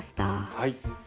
はい。